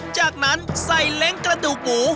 จากนั้นใส่เล้งกระดูกหมู